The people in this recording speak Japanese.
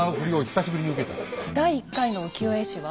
第１回の浮世絵師は？